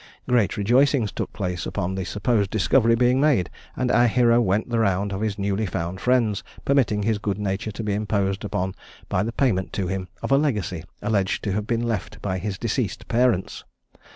Great rejoicings took place upon the supposed discovery being made, and our hero went the round of his newly found friends, permitting his good nature to be imposed upon by the payment to him of a legacy alleged to have been left by his deceased parents.